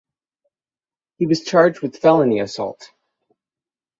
He was charged with felony assault.